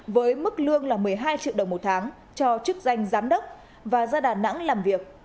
với mức lương là một mươi hai triệu đồng một tháng cho chức danh giám đốc và ra đà nẵng làm việc